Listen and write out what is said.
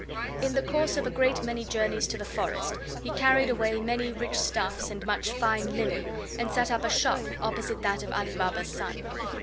In the course of a great many journeys to the forest he carried away many rich stuffs and much fine linen, and set up a shop opposite that of Ali Baba's son.